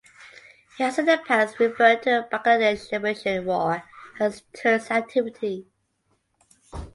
He has in the past referred to the Bangladesh Liberation war as "terrorist activity".